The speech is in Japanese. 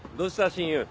親友。